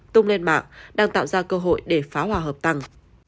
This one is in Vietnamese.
tung lên mạng đang tạo ra cơ hội để phá hòa hợp tăng